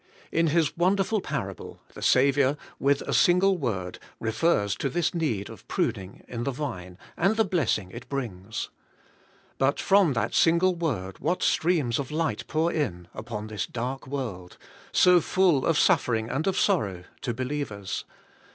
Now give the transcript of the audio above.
In His wonderful parable, the Saviour, with a single word, refers to this need of pruning in the vine, and the blessing it brings. But from that single word what streams of light pour in upon this dark world, so full of suffering and of sorrow to believers